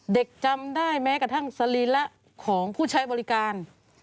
จำได้แม้กระทั่งสรีระของผู้ใช้บริการ